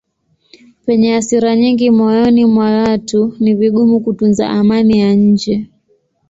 Penye hasira nyingi moyoni mwa watu ni vigumu kutunza amani ya nje.